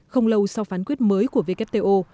không lâu sau phán quyết mới của wto